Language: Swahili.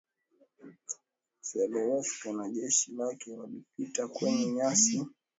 Zelewski na jeshi lake walipita kwenye nyasi ndefu karibu na Lugalo